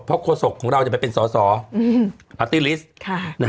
เพราะโครโศกของเราจะไปเป็นสอพาร์ตี้ลิสต์